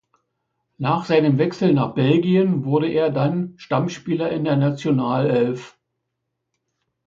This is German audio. Nach seinem Wechsel nach Belgien, wurde er dann Stammspieler in der Nationalelf.